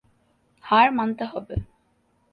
হার মানতে হবে।